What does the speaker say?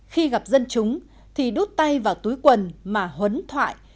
khi gặp dân chúng thì đút tay vào túi quần mà huấn thoại